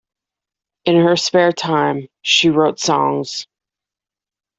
In her spare time, she wrote songs.